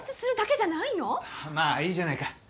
まあいいじゃないか。